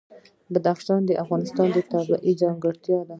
بدخشان د افغانستان یوه طبیعي ځانګړتیا ده.